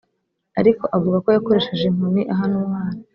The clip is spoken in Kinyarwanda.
ariko avuga ko yakoresheje inkoni ahana umwana